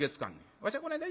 わしゃこないだ